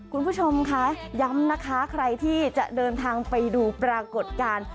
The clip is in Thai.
คุณผู้ชมคะย้ำนะคะใครที่จะเดินทางไปดูปรากฏการณ์